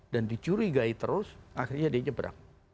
dan dicurigai terus akhirnya dia nyeberang